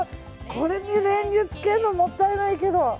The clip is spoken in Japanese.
これに練乳つけるのもったいないけど。